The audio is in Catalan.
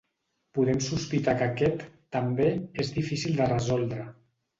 Podem sospitar que aquest, també, és difícil de resoldre.